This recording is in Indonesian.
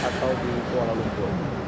atau di jalan tamling